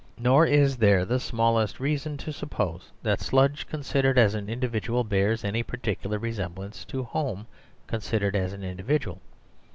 Nor is there the smallest reason to suppose that Sludge considered as an individual bears any particular resemblance to Home considered as an individual.